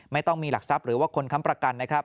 ไม่ต้องมีหลักทรัพย์หรือว่าคนค้ำประกันนะครับ